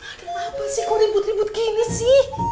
ada apa apa sih kok ribut ribut gini sih